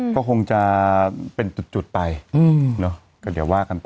ก็คงจะเป็นจุดไป